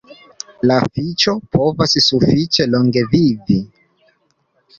La fiŝo povas sufiĉe longe vivi.